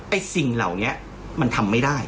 สิ่งเหล่านี้มันทำไม่ได้